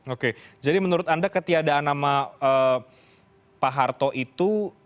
oke jadi menurut anda ketiadaan nama pak harto itu